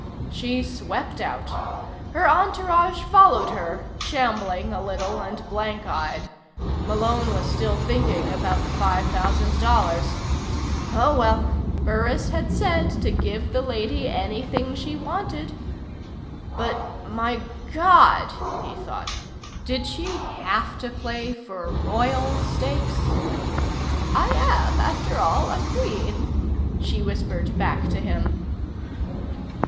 She swept out. Her entourage followed her, shambling a little, and blank eyed. Malone was still thinking about the five thousand dollars. Oh, well, Burris had said to give the lady anything she wanted. But my God! he thought. Did she have to play for royal stakes? "I am, after all, a Queen," she whispered back to him.